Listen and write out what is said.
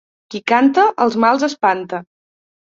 Qui canta els mals espanta.